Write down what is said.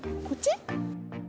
こっち？